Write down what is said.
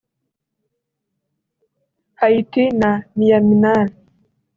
Haiti na Myanmar